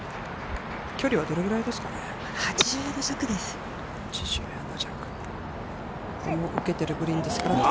距離はどれぐらいですかね。